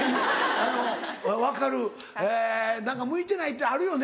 あの分かる何か向いてないってあるよね。